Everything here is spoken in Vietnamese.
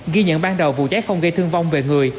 ghi nhận ban đầu vụ cháy không gây thương vong về người